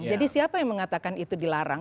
jadi siapa yang mengatakan itu dilarang